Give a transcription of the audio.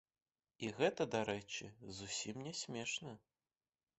І гэта, дарэчы, зусім не смешна.